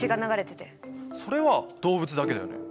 それは動物だけだよね。